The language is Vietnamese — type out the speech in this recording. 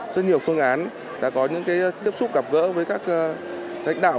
rất nhiều phương án đã có những tiếp xúc gặp gỡ với các lãnh đạo